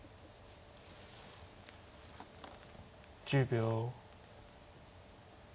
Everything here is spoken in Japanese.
１０秒。